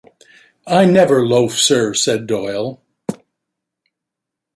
"I never loaf, sir," said Doyle.